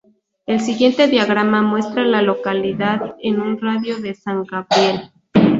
El siguiente diagrama muestra las Localidad en un radio de de San Gabriel.